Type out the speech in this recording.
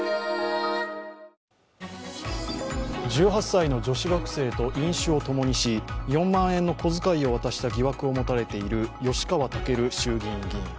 １８歳の女子学生と飲酒をともにし、４万円の小遣いを渡した疑惑が持たれている吉川赳衆院議員。